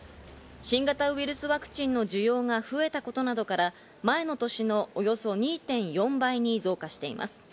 新型ウイルスワクチンの需要が増えたことなどから前の年のおよそ２．４倍に増加しています。